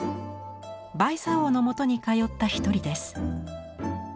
売茶翁のもとに通った一人です。